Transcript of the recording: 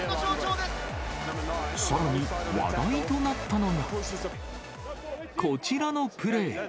さらに、話題となったのが、こちらのプレー。